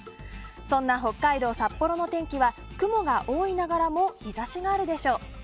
そんな北海道札幌の天気は雲が多いながらも日差しがあるでしょう。